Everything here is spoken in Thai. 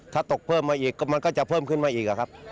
ถ้าตกเพิ่มมาอีกก็มันก็จะเพิ่มขึ้นมาอีกครับ